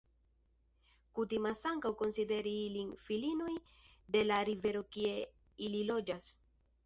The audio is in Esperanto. Kutimas ankaŭ konsideri ilin filinoj de la rivero kie ili loĝas.